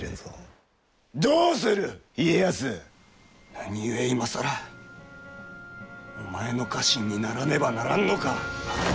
何故今更お前の家臣にならねばならんのか！